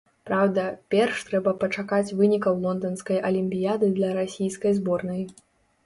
Праўда, перш трэба пачакаць вынікаў лонданскай алімпіяды для расійскай зборнай.